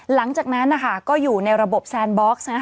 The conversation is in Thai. หลังจากนั้นนะคะก็อยู่ในระบบแซนบ็อกซ์